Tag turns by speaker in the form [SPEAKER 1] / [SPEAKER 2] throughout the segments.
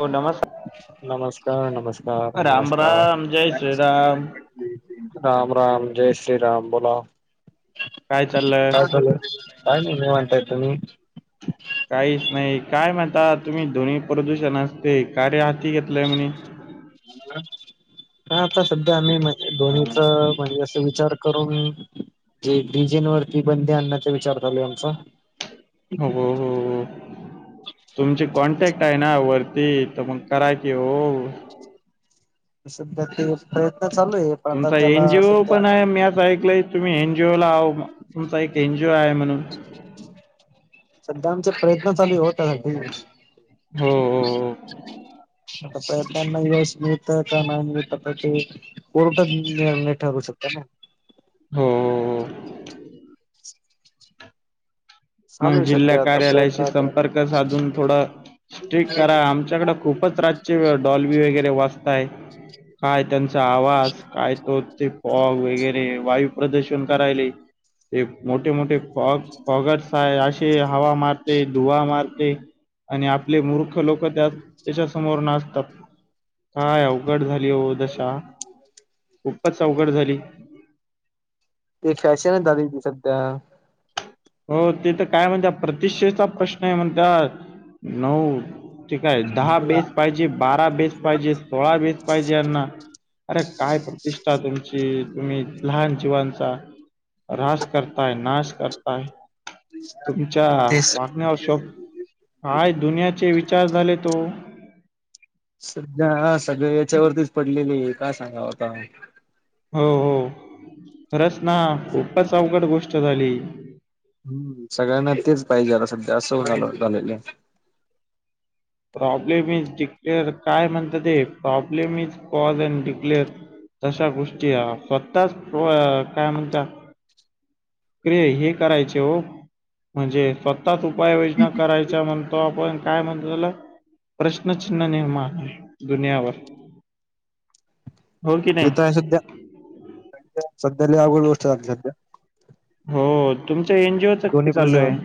[SPEAKER 1] हो नमस्कार
[SPEAKER 2] नमस्कार, नमस्कार, नमस्कार
[SPEAKER 1] रामराम जय श्रीराम
[SPEAKER 2] राम राम जय श्रीराम बोला. काय चाललंय? काय नाही निवांत आहे तुम्ही?
[SPEAKER 1] काहीच नाही काय म्हणता तुम्ही ध्वनी प्रदूषण असते कार्य हाती घेतलंय म्हणे.
[SPEAKER 2] हम् ह आता सध्या आम्हीण दोन्हीच म्हणजे अस विचार करून. जे डीजेन वरती बंदी आणण्याचा विचार चालू आहे आमचा
[SPEAKER 1] हो हो तुमचे कॉन्टॅक्ट आहे. वरती त मग कय क हो
[SPEAKER 2] सध्या ते प्रयत्न चालू आहे पण आता
[SPEAKER 1] तुमचा
[SPEAKER 2] त्याला
[SPEAKER 1] एनजीओ
[SPEAKER 2] सध्या
[SPEAKER 1] पण मी आ ऐकलंय तुम्ही एनजीओ ला आ तुमचा एक एनजीओ आहे म्हणून
[SPEAKER 2] सध्या आमचा प्रयत्न चालू हो त्यासाठी
[SPEAKER 1] हो हो
[SPEAKER 2] आता प्रयत्नाना यश मिळत का नाही मिळत. कोर्ट च निर्णय ठरू शकता.
[SPEAKER 1] हो
[SPEAKER 2] चालू
[SPEAKER 1] मग
[SPEAKER 2] आहे
[SPEAKER 1] जिल्हा
[SPEAKER 2] सध्या आता
[SPEAKER 1] कार्यालयाशी
[SPEAKER 2] प्रयत्न ते
[SPEAKER 1] संपर्क साधून थोडं स्टक करा आमच्याकडे खूपच राातची वेळ डॉलवी वगैरे वाचताय काय त्यांचा आवाज काय तो ते फॉग वगैरे वायू प्रदूषण करायले ते मोठे मोठे फॉग पॉगस य असे हवा मारते धुवा मारते. आणि आपले मूर्ख लोक त्या त्याच्या समोर नाचतात काय अघड झाली हो दशा खूपच अवघड झाली.
[SPEAKER 2] ते फॅशनच झाली ती सध्या
[SPEAKER 1] हो ते तर काय म्हणत प्रति्क्षेचा प्रश्न आहे म्हणत नऊ ठीक आहे दहा बेस पाहिजे बारा बेस पाहिजे. सोळा बीेत पाहिजे यांना अरे काय प्रतिष्ठा तुमची तुम्ही लहान जीवांचा रास करताय नाश करताय. तुम्हच्या
[SPEAKER 2] तेच
[SPEAKER 1] वाटण्या असो काय दुनियाचे विचार झाले तो
[SPEAKER 2] सध्या हा सगळ याच्यावरतीच पडलेली आहे काय सांगा आता
[SPEAKER 1] हो हो खरच ना खूपच अवघड गोष्ट झाली.
[SPEAKER 2] हम्म सगळ्यांना तेच पाहिजे आता सध्या असं झा झालेलं आहे.
[SPEAKER 1] प्रॉब्लेम इज डिक्लेअर काय म्हणत ते problem is cause and declare तशा गोष्टी स्वतःच काय म्हणत. के हे करायचे हो म्हणजे स्वतःच उपाययोजना करायच्या म्हणतो आपण काय म्हणतो त्याला प्रश्नचिन्ह निर्मा आहे दुनियावर हो की
[SPEAKER 2] तेिथ
[SPEAKER 1] नाही
[SPEAKER 2] आहे सध्या सध्याला अघोड गोष्ट झाली सध्या
[SPEAKER 1] हो तुमच.
[SPEAKER 2] दोन्ही प्रदूषण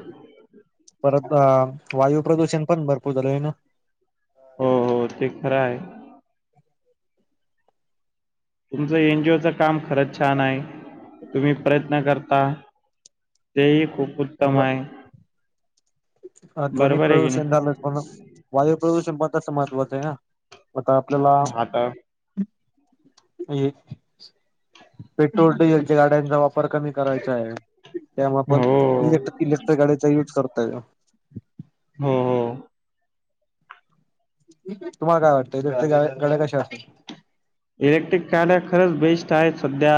[SPEAKER 2] परत वायू प्रदूषण पण भरपूर झाले आहे ना
[SPEAKER 1] पण ते खर आहे. तुमचं एन जी ओ चं काम खरंच छान हाय. तुम्ही प्रयत्न करता तेही खूप उत्तम हाय.
[SPEAKER 2] हा ध्वनी प्रदूषण झालं पण वायु प्रदूषण पण तसं महत्त्वाचं आहे ना. आता आपल्याला
[SPEAKER 1] आता
[SPEAKER 2] ए पेट्रोल, डिझेलच्या गाड्यांचा वापर कमी करायचा आहे. त्यामुळ आपण
[SPEAKER 1] हो,
[SPEAKER 2] इलेक् इलेक्ट्रिक गाडीचा युज करतोय.
[SPEAKER 1] हो हो.
[SPEAKER 2] तुम्हाला काय वाटतंय तर ते गाड्या गाड्या कशा असतील.
[SPEAKER 1] इलेक्ट्रिक गाड्या खरंच बेस्ट आहेत सध्या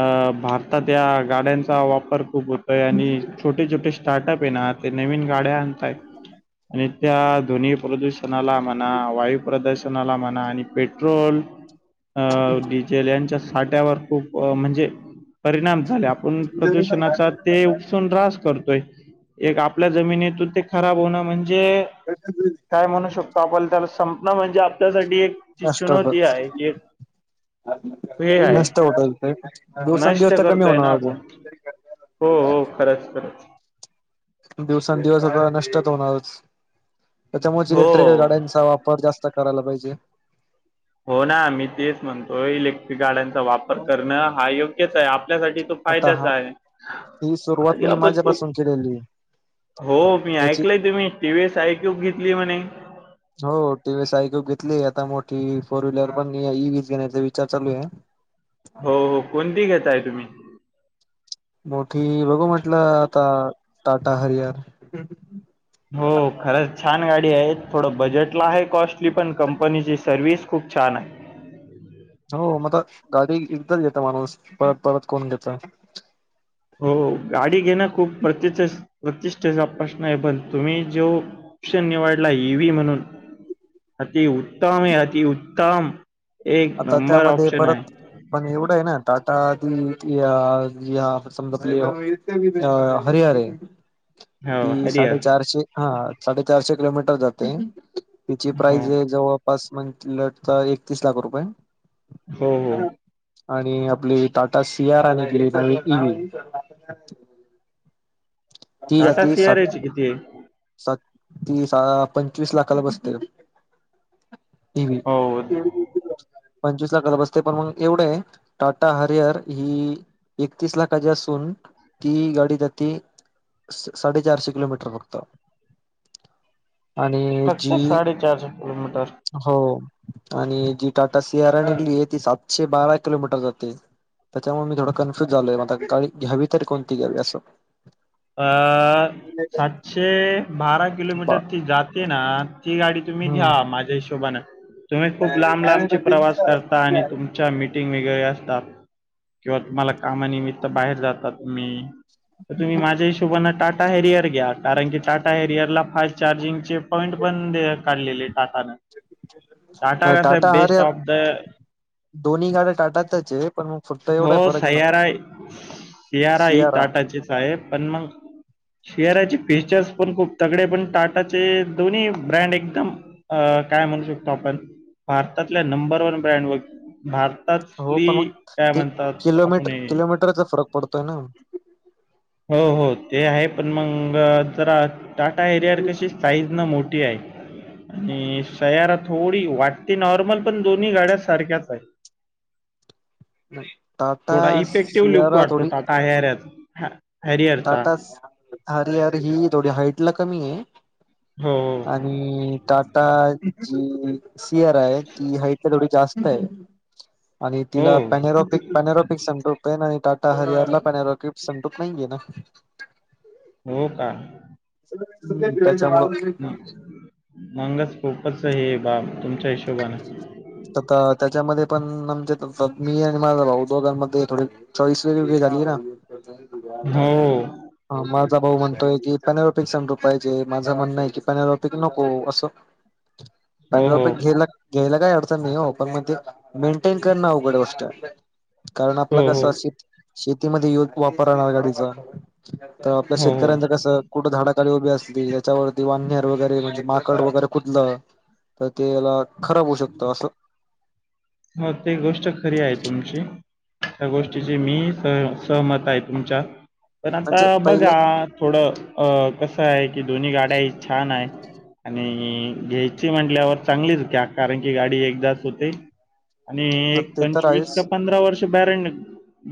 [SPEAKER 1] अ भारतात या गाड्यांचा वापर खूप होतोय आणि छोटी छोटी स्टार्टअप आहे ना ते नवीन गाड्या आणतायत आणि त्या दोनी प्रदूषणाला म्हणा वायू प्रदूषणाला म्हणा आणि पेट्रोल अ डीजेल यांच्या साठ्यावर खूप म्हणजे परिणाम झालय आपण प्रदूषणाचा ते उपसून रास करतोय एक आपल्या जमिनीतून ते खराब होणं म्हणजे
[SPEAKER 2] [unintelligible]
[SPEAKER 1] काय म्हणू शकतो आपण त्याला संपण म्हणजे आपल्यासाठी एक जी
[SPEAKER 2] असतात?
[SPEAKER 1] चुनवती आहे की एक हेे हाय
[SPEAKER 2] नष्ट होत ते
[SPEAKER 1] नष्ट
[SPEAKER 2] दिवसांदिवस तर कमी
[SPEAKER 1] करतोय ना
[SPEAKER 2] होणार
[SPEAKER 1] आपण.
[SPEAKER 2] अजून
[SPEAKER 1] हो हो खरंच खरंच.
[SPEAKER 2] दिवसांंनदिवस आता नष्टच होणारचा त्याच्यामुळे
[SPEAKER 1] हो.
[SPEAKER 2] इलेक्ट्रिकल गाड्यांचा वापर जास्त करायला पाहिजे.
[SPEAKER 1] हो ना मी तेच म्हणतोय इलेक्ट्रिक गाड्यांचा वापर करणं हा योग्यच हाय आपल्यासाठी तो
[SPEAKER 2] आता हा
[SPEAKER 1] फायदाचा आहे.
[SPEAKER 2] ही सुरुवात
[SPEAKER 1] आनी
[SPEAKER 2] मी
[SPEAKER 1] आपण तो
[SPEAKER 2] माझ्यापासून केलेली
[SPEAKER 1] हो मी
[SPEAKER 2] त्याची
[SPEAKER 1] ऐकलय तुम्ही T V S iQube घेतली म्हणे.
[SPEAKER 2] हो T V S iQube घेतली आता मोठी फोर व्हीलर पण ई व्ही च घेण्याचा विचार चालू आहे.
[SPEAKER 1] हो हो कोणती घेताय तुम्ही?
[SPEAKER 2] मोठी बघू म्हटलं आता टाटा हरियार.
[SPEAKER 1] हो खरंच छान गाडी आहे थोडं बजेटला आहे कॉस्टली पण कंपनीची सर्विस खूप छान आहे.
[SPEAKER 2] हो मता गाडी एकदाच घेत माणूस परत परत कोण घेत.
[SPEAKER 1] हो गाडी घेणं खूप प्रति प्रतिष्ठेचा प्रश्न आहे पण तुम्ही जो ऑप्शन निवडला ई व्ही म्हणून अतिउत्तम आहे अतिउत्तम एक
[SPEAKER 2] आता
[SPEAKER 1] नंबर
[SPEAKER 2] त्यामध्ये
[SPEAKER 1] ऑप्शन हाय.
[SPEAKER 2] परत पण एवढं आहे ना टाटा की इ यां इ या समजा आपली अ हरियार हे.
[SPEAKER 1] हो
[SPEAKER 2] ती
[SPEAKER 1] हरिहर
[SPEAKER 2] साडेचारशे हा साडेचारशे किलोमीटर जाते तिची
[SPEAKER 1] हो
[SPEAKER 2] प्राईज आहे जवळ पास मंथल तर एकतीस लाख रुपये
[SPEAKER 1] हो हो
[SPEAKER 2] आणि आपली टाटा सी यार [unintelligible] इ व्हि ती
[SPEAKER 1] टाटा
[SPEAKER 2] जाती सात
[SPEAKER 1] सियाराची किती आहे?
[SPEAKER 2] सात ती सा पंचवीस लाखाला बसते. E V.
[SPEAKER 1] हो
[SPEAKER 2] पंचवीस लाखाला बसते. पण मग एवढ टाटा हरियर ही एकतीस लाखाची असून ती गाडी जाती साडे चारशे किलोमीटर फक्त. आणि जी
[SPEAKER 1] फक्त साडे चारशे किलोमीटर.
[SPEAKER 2] हो आणि जी टाटा सियार आहे ती सातशे बारा किलोमीटर जाते. त्याच्यामुळ मी थोडा कन्फ्यूज झालोय म आता गावी घ्यावी तर कोणती घ्यावी असं
[SPEAKER 1] अ सातशे बारा किलोमीटर ती जाते ना ती गाडी तुम्ही घ्या
[SPEAKER 2] हम्म
[SPEAKER 1] माझ्या हिशोबान तुम्ही खूप लांब लांबचे प्रवास करता आणि तु मच्या मीटिंग वगैरे असतात किंवा तुम्हाला कामानिमित्त बाहेर जातात तुम्ही. तुम्ही माझ हशोबा टाटा हेरियर घ्या कारण की टाटा हेरियर ला फास्ट चार्जिंग चे पॉइंट पण द काढलेली टाटा न टाटा
[SPEAKER 2] नाही
[SPEAKER 1] कसं बेस्ट
[SPEAKER 2] अरे
[SPEAKER 1] ऑफ द
[SPEAKER 2] दोन्ही गाड्या टाटतच आहे पणग
[SPEAKER 1] हो सयारा सियाारा ही
[SPEAKER 2] सियारा
[SPEAKER 1] ताटाचेच आहे पण मग शेअराचे फीचर्स पण खूप तगडे पण टाटाचे दोन्ही ब्रँड एकदम. अ काय म्हणू शकतो आपण भारतातल्या नंबर वन ब्रँडवर भार
[SPEAKER 2] हो पण मग
[SPEAKER 1] तली.
[SPEAKER 2] ते किलोमीटर किलोमीटरचा फरक पडतोय ना.
[SPEAKER 1] हो हो ते आहे पण मग, मग जरा टाटा एरियार कशी साइज न मोठी आहे. आणि सयारा थोडी वाटते नॉर्मल पण दोन्ही गाड्या सारख्याच आहे.
[SPEAKER 2] टाटा
[SPEAKER 1] थोडा इफेक्टिव्ह लुक
[SPEAKER 2] सियारा
[SPEAKER 1] वाटतो
[SPEAKER 2] थोडी
[SPEAKER 1] टाटा हर्यात.
[SPEAKER 2] टाटा अरे अरे ही थोडी हाईट ला कमी आहे.
[SPEAKER 1] हो.
[SPEAKER 2] आणि टाटा जी सी आर आहे ती हाट तर थोडी जास्त आहेआणि
[SPEAKER 1] हो,
[SPEAKER 2] तिला
[SPEAKER 1] हो,
[SPEAKER 2] पॅनेरॉप पॅरोपिक संमटूक ना आणि टाटा हरियारला पॅरोपिक संमटूक नाहीये ना.
[SPEAKER 1] हो का?
[SPEAKER 2] त्याच्यामुळं
[SPEAKER 1] मंगच खूपच हे बाब तुमच्या हिशोबान.
[SPEAKER 2] तर त्याच्यामध्ये पण म्हणजे मी आणि माझा भाऊ दोघांमध्ये थोडे चॉईस वेगवेगळी झाली ना.
[SPEAKER 1] हो
[SPEAKER 2] माझा भाऊ म्हणतोय की पॅनरॉपिक समरू पाहिजे. माझं म्हणणं आहे की पॅनॉपिक नको असं
[SPEAKER 1] [inaudible]
[SPEAKER 2] पेनॉरपिक
[SPEAKER 1] हो
[SPEAKER 2] घ्यायला घ्यायला काही अडचण नाही. ऑफर मध्येच मेंटेन कर ना उघड गोष्ट. कारण आपलं
[SPEAKER 1] हो
[SPEAKER 2] कसं अस शेती शेतीमध्ये य वापरणार गाडीचा. तर आपल्या
[SPEAKER 1] हो हो
[SPEAKER 2] शेतकऱ्यांच कसं कुठं झाडाखाली उभी असली त्याच्यावरती वानहेर वगैरे म्हणजे माकड वगैरे कुदलं. तेला खराब होऊ शकतं असं.
[SPEAKER 1] हो ते गोष्ट खरी आहे तुमची त्या गोष्टीची मी स सहमत आहे तुमच्या पण आता
[SPEAKER 2] म्हणजे पहिले
[SPEAKER 1] बघा. थोडं अ कसं आहे की दोन्ही गाड्याही छान आहेत. आणि घ्यायची म्हटल्यावर चांगलीच घ्या कारण की गाडी एकदाच होते. आणि एक
[SPEAKER 2] ते तर
[SPEAKER 1] पंचवीस
[SPEAKER 2] आहेच
[SPEAKER 1] का पंधरा वर्ष बॅरंट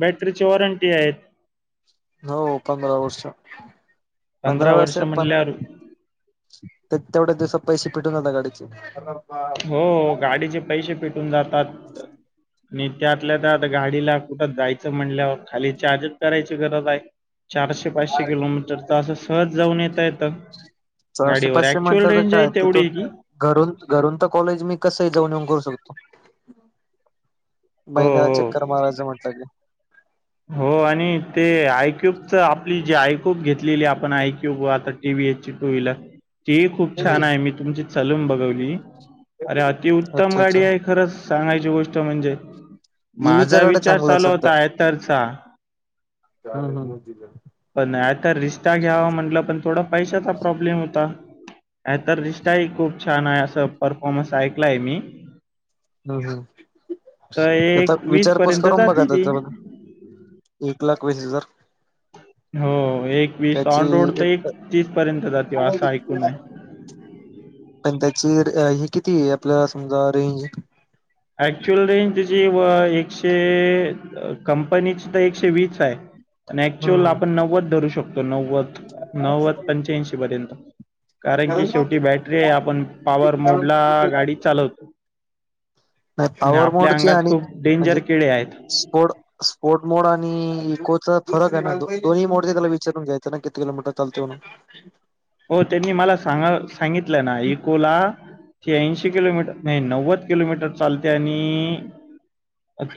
[SPEAKER 1] बॅटरीची वॉरंटी आहेत.
[SPEAKER 2] हो पंधरा वर्ष पंधरा वर्ष प ते तेवढ्या दिवसात पैसे फिटून जाता गाडीचे.
[SPEAKER 1] हो गाडीचे पैसे फिटून जातात. आणि त्यातल्या त्यात गाडीला कुठं जायचं म्हणल्यावर खाली चार्जच करायची गरज आहे. चारशे पाचशे किलोमीटर तर असं सहज जाऊन येता येत.
[SPEAKER 2] चारशे
[SPEAKER 1] गाडीवर
[SPEAKER 2] पाचशे
[SPEAKER 1] ऍक्च्युअल
[SPEAKER 2] म्हटलं तर
[SPEAKER 1] रेंज आहे
[SPEAKER 2] काय तिथून
[SPEAKER 1] तेवढी.
[SPEAKER 2] घरून घरून तर कॉलेज मी कसही जाऊन येऊन करू शकतो.
[SPEAKER 1] हो
[SPEAKER 2] महिन्याला
[SPEAKER 1] हो
[SPEAKER 2] चक्कर मारायचं म्हटलं की.
[SPEAKER 1] हो आणि ते आयक्यूबच आपली जे आयक्यूब घेतलेली आपण आयक्यूब आताते टी वी एचची टू व्हहीलर. ती खूप
[SPEAKER 2] की
[SPEAKER 1] छान आहे मी तुमची चालून बघवली अरे अतिउत्तम
[SPEAKER 2] अच्छा अच्छा
[SPEAKER 1] गाडी आहे खरंच. सांगायची गोष्ट म्हणजे
[SPEAKER 2] ईव्हीच्या
[SPEAKER 1] माझा
[SPEAKER 2] गाड्या
[SPEAKER 1] विचार
[SPEAKER 2] चांगल्या
[SPEAKER 1] चालू
[SPEAKER 2] आहेत
[SPEAKER 1] होता [unintelligible] तरचा.
[SPEAKER 2] हा नान [unintelligible]
[SPEAKER 1] पण आता रिश्ता घ्यावा म्हटलं पण थोडा पैशाचा प्रॉब्लेम होता. तर रिश्ताही खूप छान आहे असं परफॉर्मन्स ऐकलाय मी.
[SPEAKER 2] हम
[SPEAKER 1] तर एक
[SPEAKER 2] हम
[SPEAKER 1] वीस
[SPEAKER 2] विचारपूस
[SPEAKER 1] पर्यंत
[SPEAKER 2] करून बघा
[SPEAKER 1] जाते ती
[SPEAKER 2] त्याच्याब एक लाख वीस हजार.
[SPEAKER 1] हो एक वीस
[SPEAKER 2] त्याची
[SPEAKER 1] ऑन रोड तर एक तीस पर्यंत जाते असं ऐकून आहे.
[SPEAKER 2] पण त्याची हे किती आहे आपला समजा रेंज.
[SPEAKER 1] ऍक्च्युअल रेंज तची व एकशे कंपनीची तर एकशे वीस आहे. आणि ऍक्च्युअल
[SPEAKER 2] हम्म
[SPEAKER 1] आपण नव्वद धरू शकतो. नव्वद नव्वद पंच्याऐंशी पर्यंत. कारण की शेवटी बॅटरी आहे आपण पॉवर मोड ला गाडी चालवतो.
[SPEAKER 2] नाही
[SPEAKER 1] आणि
[SPEAKER 2] पावर
[SPEAKER 1] आपल्या
[SPEAKER 2] मोडची
[SPEAKER 1] अंगात
[SPEAKER 2] आणि
[SPEAKER 1] खूप
[SPEAKER 2] म्हणजे
[SPEAKER 1] डेंजर किडे आहेत
[SPEAKER 2] स्पोर्ट स्पोर्ट मोड आणि इकोचा फरक आहे ना. दोन्ही मोडचे त्याला विचारून घ्यायचं. त्या ना किती किलोमीटर चालते म्हणून.
[SPEAKER 1] हो त्यांनी मला सांग सांगितलं ना इकोला ही ऐंशी किलोमीटर नाही नव्वद किलोमीटर चालते आणि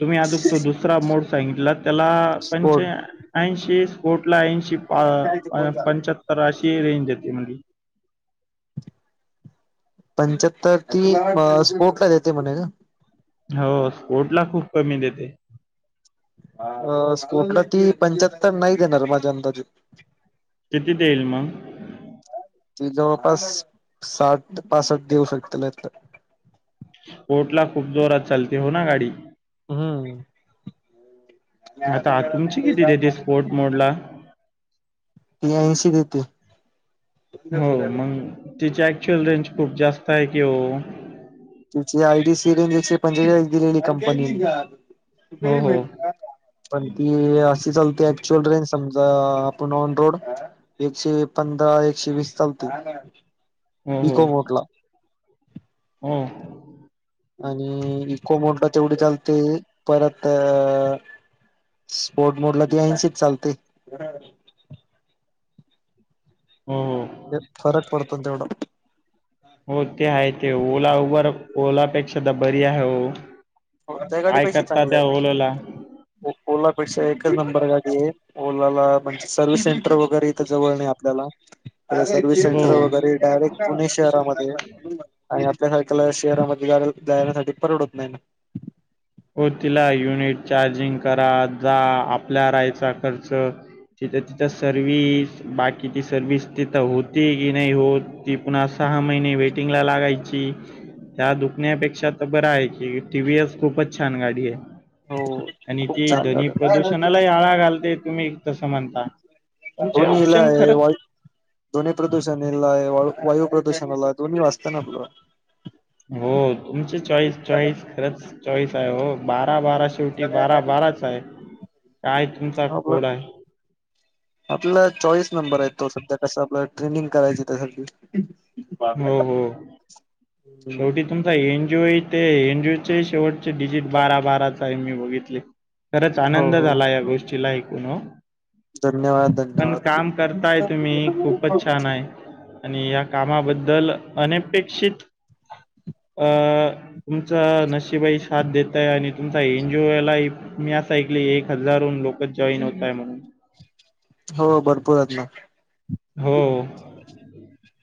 [SPEAKER 1] तुम्ही अजून तो दुसरा मोड सांगितला त्याला पं
[SPEAKER 2] स्पोर्ट
[SPEAKER 1] ऐंशी कोटला ऐंशी पंचाहत्तर अशी रेंज येते म्हणली.
[SPEAKER 2] पंच्याहत्तर स्पोर्टला देते म्हणे ना.
[SPEAKER 1] हो स्पोर्ट ला खूप कमी देते.
[SPEAKER 2] अ स्पोर्ट ला ती पंच्याहत्तर नाही देणार माझ्या अंदाजे.
[SPEAKER 1] किती देईल मग
[SPEAKER 2] ती जवळपास साठ पासठ देऊ शकते.
[SPEAKER 1] स्पोर्ट ला खूप जोरात चालते हो ना गाडी.
[SPEAKER 2] हम्म.
[SPEAKER 1] आता तुमची किती देते स्पोर्ट मोड ला?
[SPEAKER 2] ती ऐंशी देते.
[SPEAKER 1] हो मग तिची ऍक्च्युअल रेंज खूप जास्त आहे की हो.
[SPEAKER 2] तिचि आयडी सी रेंजची एकशे पंचेचाळीस दिलेली कंपनीने.
[SPEAKER 1] हो हो
[SPEAKER 2] पण ती अशी चालते ऍक्च्युअल रेंज समजा आपण ऑन रोड एकशे पंधरा एकशे वीस चालते. इको मोडला
[SPEAKER 1] हो हो ह.
[SPEAKER 2] आणि इको मोडला तेवढी चालते परत अ स्पोर्ट मोड ला ती ऐंशीच चालते.
[SPEAKER 1] हो हो.
[SPEAKER 2] ते फरक पडतो तेवढं.
[SPEAKER 1] हो ते आहे ते ओला उबर ओलापेक्षा बरी आहे हो.
[SPEAKER 2] त्या गाडी
[SPEAKER 1] काय
[SPEAKER 2] पैसे
[SPEAKER 1] करता
[SPEAKER 2] चांगला
[SPEAKER 1] त्या ओलाला?
[SPEAKER 2] ओला पेक्षा एकच नंबर गाडी आहे. ओलाला म्हणजे सर्वि्हस सेंटर वगैरे इथं जवळ नाही आपल्याला. सर्विस
[SPEAKER 1] हो
[SPEAKER 2] सेंटर वगैरे डायरेक्ट पुणे शहरामध्ये आणि आपल्यासारख्याला शहरामध्ये जा जाण्यासाठी परवडत नाही ना.
[SPEAKER 1] हो तिला युनिट चार्जिंग करा जा आपल्या राहायचा खर्च तिथे तिथं सर्विस बाकीची सर्विस तिथं होती की नाही होत. ती पुन्हा सहा महिने वेटिंगला लागायची. त्या दुखण्यापेक्षा तर बरं आहे की टी व्हीएस खूपच छान गाडी आहे.
[SPEAKER 2] हो
[SPEAKER 1] आणि
[SPEAKER 2] खूप
[SPEAKER 1] ती
[SPEAKER 2] छान
[SPEAKER 1] ध्वनी
[SPEAKER 2] गाड
[SPEAKER 1] प्रदूषणालाही आळा घालते तुम्ही तसं म्हणता. तुमचे
[SPEAKER 2] दोन्हीला
[SPEAKER 1] ऑप्शन
[SPEAKER 2] आहे
[SPEAKER 1] खरंच
[SPEAKER 2] वाय ध्वनी प्रदूषणाला वायू प्रदूषणाला दोन्ही वाचतना आपलं.
[SPEAKER 1] हो तुमची चॉईस चॉईस खरच चॉईस आहे बारा बा शेवटी बारा बाराच आहे काय तुमचा
[SPEAKER 2] आपलं
[SPEAKER 1] कोड आहे?
[SPEAKER 2] आपला चॉईस नंबर आहे तो सध्या कस आपला ट्रेनिंग करायची त्यास बाब
[SPEAKER 1] हो हो शेवटी तुमचा एन जीओ ते एन जी ओचे शेवटचे डिजिट बारा बाराचा आहे मी बघितले. खरंच
[SPEAKER 2] हो
[SPEAKER 1] आनंद
[SPEAKER 2] हो
[SPEAKER 1] झाला या गोष्टीला ऐकून हो.
[SPEAKER 2] धन्यवाद
[SPEAKER 1] पण
[SPEAKER 2] धन्यवाद
[SPEAKER 1] काम करताय तुम्ही खूपच छान आहे. आणि या कामाबद्दल अनपेक्षित. अ तुमचा नशशीबाई साथ देतय आणि तुमचा एनजीओलाही मी असं ऐकलं एक हजारून लोक. जॉईन होतय म्हणून
[SPEAKER 2] हो भरपूर ना.
[SPEAKER 1] हो.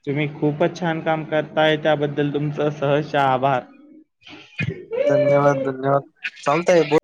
[SPEAKER 1] तुम्ही खूपच छान काम करताय त्याबद्दल तुमचा सहज आभार
[SPEAKER 2] धन्यवाद धन्यवाद चालताय ब